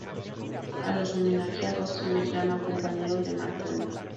A los homenajeados se les llama Compañeros de Marconi.